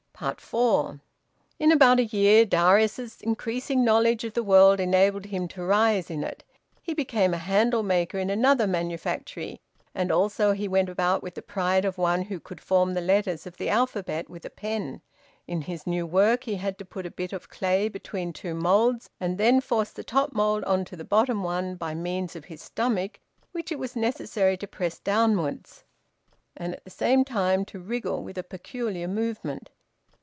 FOUR. In about a year Darius's increasing knowledge of the world enabled him to rise in it. He became a handle maker in another manufactory, and also he went about with the pride of one who could form the letters of the alphabet with a pen. In his new work he had to put a bit of clay between two moulds, and then force the top mould on to the bottom one by means of his stomach which it was necessary to press downwards and at the same time to wriggle with a peculiar movement.